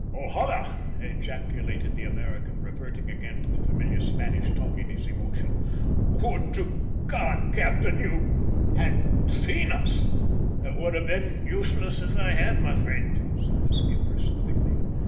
"Ojala!" ejaculated the American, reverting again to the familiar Spanish tongue in his emotion. "Would to God, captain, you had seen us!" "It would have been useless if I had, my friend," said the skipper soothingly.